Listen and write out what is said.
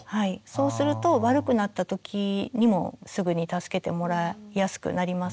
そうすると悪くなった時にもすぐに助けてもらいやすくなりますので。